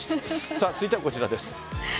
続いてはこちらです。